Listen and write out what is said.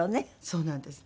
そうなんです。